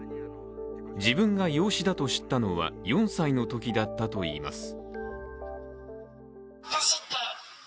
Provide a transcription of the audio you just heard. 自分が養子だと知ったのは４歳のときだったといいます。